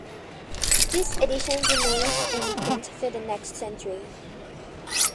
This edition remained in print for the next century.